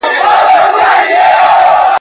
چي یوازي وه ککړي یې وهلې ,